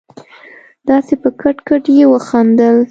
داسې په کټ کټ يې وخندل.